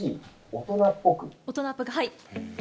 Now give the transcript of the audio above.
大人っぽく、はい。